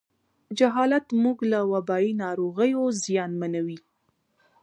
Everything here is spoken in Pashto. جهالت موږ له وبایي ناروغیو زیانمنوي.